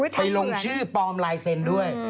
ไปลงชื่อปลอมลายเซ็นต์ด้วย